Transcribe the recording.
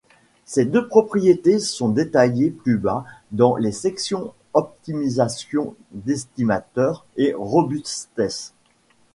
Ces deux propriétés sont détaillées plus bas dans les sections Optimisation d'estimateur et Robustesse.